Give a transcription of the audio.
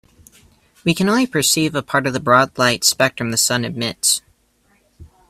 We can only perceive a part of the broad light spectrum the sun emits.